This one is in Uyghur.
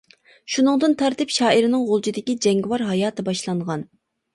شۇنىڭدىن تارتىپ شائىرنىڭ غۇلجىدىكى جەڭگىۋار ھاياتى باشلانغان.